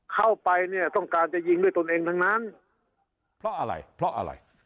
เข้าไปเนี่ยต้องการจะยิงด้วยตนเองทั้งนั้นเพราะอะไรเพราะอะไร